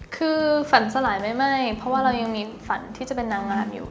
คือฝันสลายไม่เพราะว่าเรายังมีฝันที่จะเป็นนางงามอยู่